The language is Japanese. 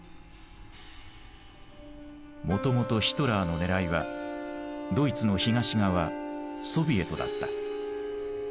もともとヒトラーの狙いはドイツの東側ソビエトだった。